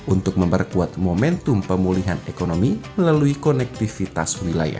untuk memperkuat momentum pemulihan ekonomi melalui konektivitas wilayah